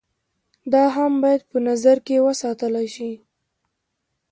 دا هم بايد په نظر کښې وساتلے شي